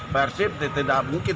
persip tidak mungkin